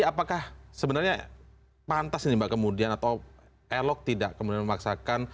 apakah sebenarnya pantas ini mbak kemudian atau elok tidak kemudian memaksakan